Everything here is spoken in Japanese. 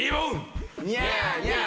ニャーニャー。